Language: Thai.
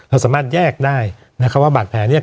เราสามารถแยกได้นะครับว่าบาดแผลเนี่ย